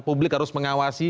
publik harus mengawasi